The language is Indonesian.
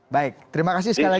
baik terima kasih sekali lagi